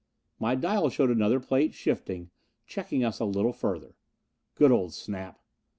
My dials showed another plate shifting, checking us a little further. Good old Snap.